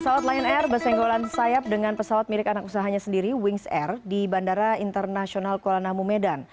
pesawat lion air bersenggolan sayap dengan pesawat milik anak usahanya sendiri wings air di bandara internasional kuala namu medan